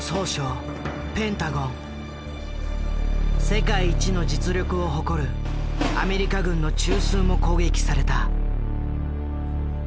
世界一の実力を誇るアメリカ軍の中枢も攻撃された。